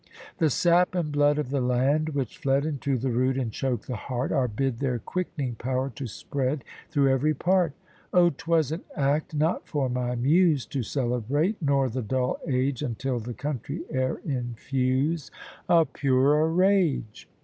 The sap and blood of the land, which fled Into the root, and choked the heart, Are bid their quick'ning power to spread Through every part. O 'twas an act, not for my muse To celebrate, nor the dull age, Until the country air infuse A purer rage.